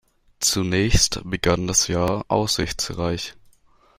Zunächst begann das Jahr aussichtsreich.